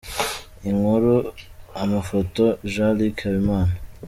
Inkuru & Amafoto: Jean Luc Habimana.